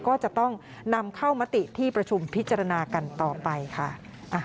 ก็จะต้องนำเข้ามติที่ประชุมพิจารณากันต่อไปค่ะ